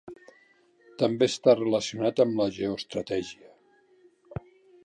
També està relacionat amb la geoestratègia.